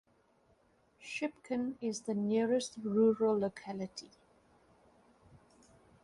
Shchepkin is the nearest rural locality.